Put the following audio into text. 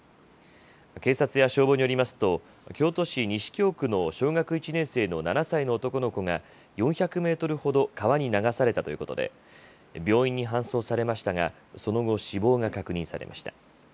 警察や消防によりますと、京都市西京区の小学１年生の７歳の男の子が４００メートルほど川に流されたということで、病院に搬送されましたが、その後、死亡が確認されました。